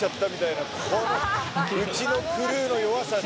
うちのクルーの弱さね。